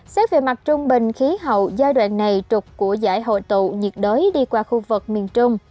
xét về mặt trung bình khí hậu giai đoạn này trục của giải hội tụ nhiệt đới đi qua khu vực miền trung